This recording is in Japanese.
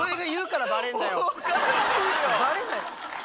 バレない。